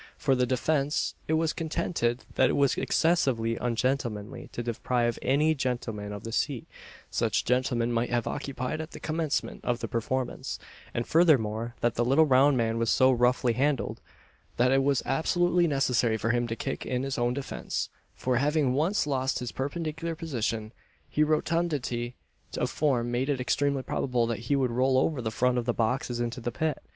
For the defence, it was contended that it was excessively ungentlemanly to deprive any gentleman of the seat such gentleman might have occupied at the commencement of the performance; and furthermore, that the little round man was so roughly handled, that it was absolutely necessary for him to kick in his own defence; for, having once lost his perpendicular position, his rotundity of form made it extremely probable that he would roll over the front of the boxes into the pit!